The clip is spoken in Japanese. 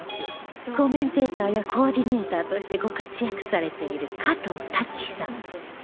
コメンテーターやコーディネーターとしてご活躍されている加藤タキさん